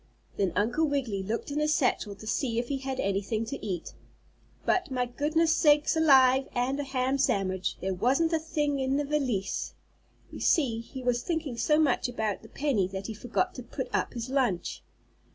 Then Uncle Wiggily looked in his satchel to see if he had anything to eat, but my goodness sakes alive and a ham sandwich! There wasn't a thing in the valise! You see he was thinking so much about the penny that he forgot to put up his lunch.